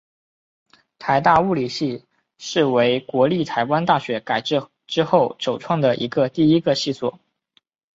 台大物理系是为国立台湾大学改制之后首创的第一个系所。